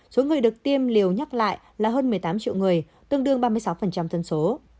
số người được tiêm liều nhắc lại là hơn một mươi tám triệu người tương đương ba mươi sáu dân số